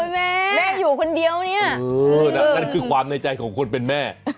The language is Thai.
แม่แม่อยู่คนเดียวเนี่ยนั่นคือความในใจของคนเป็นแม่